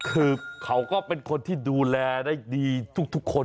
คือเขาก็เป็นคนที่ดูแลได้ดีทุกคน